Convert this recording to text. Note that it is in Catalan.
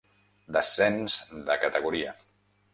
Descens de categoria.